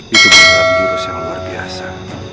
itu merupakan jurus yang luar biasa